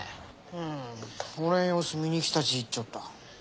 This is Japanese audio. うん俺の様子見にきたち言っちょった。